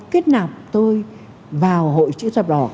kết nạp tôi vào hội chữ thập đỏ